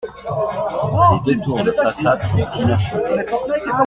Les deux tours de façade sont inachevées.